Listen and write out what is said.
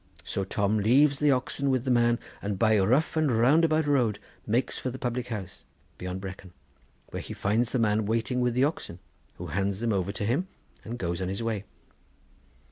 So Tom leaves the oxen with the man, and by rough and roundabout road makes for the public house beyond Brecon, where he finds the man waiting with the oxen, who hands them over to him and goes on his way.